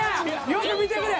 よく見てくれ！